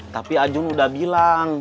tapi ajun udah bilang